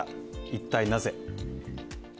一体なぜ。